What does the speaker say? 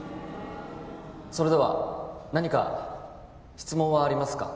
それでは何か質問はありますか？